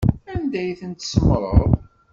Anda ay tent-tsemmṛeḍ?